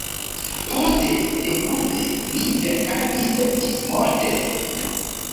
Poste denove li verkadis ĝismorte.